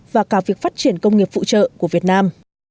và cả việc phát triển công nghiệp phụ trợ của việt nam